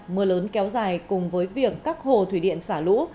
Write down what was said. mưa lớn kéo dài cùng với việc các hồ thủy điện xả lũ